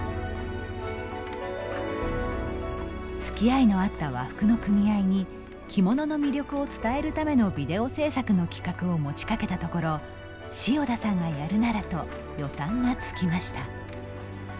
つきあいのあった和服の組合に着物の魅力を伝えるためのビデオ制作の企画を持ちかけたところ塩田さんがやるならと予算がつきました。